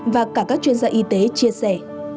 và cả các chuyên gia y tế chia sẻ